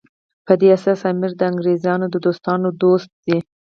په دې اساس امیر د انګریزانو د دوستانو دوست شي.